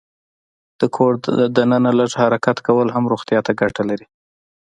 د کور دننه لږ حرکت کول هم روغتیا ته ګټه لري.